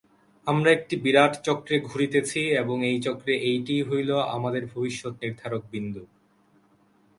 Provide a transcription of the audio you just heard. আমরা একটি বিরাট চক্রে ঘুরিতেছি এবং এই চক্রে এইটিই হইল আমাদের ভবিষ্যৎ-নির্ধারক বিন্দু।